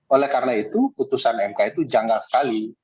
oleh karena itu putusan mk itu janggal sekali